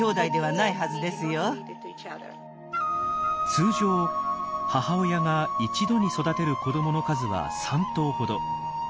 通常母親が一度に育てる子どもの数は３頭ほど。